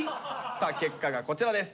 さあ結果がこちらです。